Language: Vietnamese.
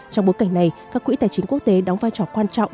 trong bối cảnh này các quỹ tài chính quốc tế đóng vai trò quan trọng